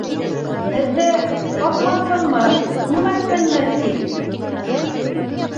Һеҙҙе тапмаҫмынмы, күрмәҫменме тип...